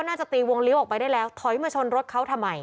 น่าจะตีวงเลี้ยวออกไปได้แล้วถอยมาชนรถเขาทำไม